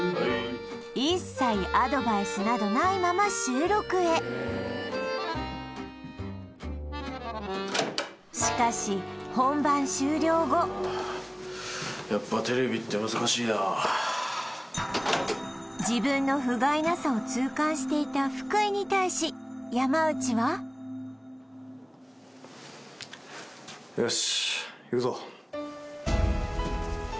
一切アドバイスなどないまま収録へしかし本番終了後やっぱテレビって難しいな自分のふがいなさを痛感していた福井に対し山内はえっ？